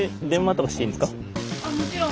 もちろん。